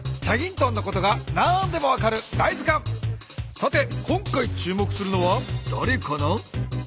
さて今回注目するのはだれかな？